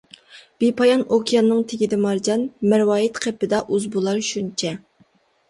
بىپايان ئوكياننىڭ تېگىدە مارجان، مەرۋايىت قېپىدا ئۇز بولار شۇنچە.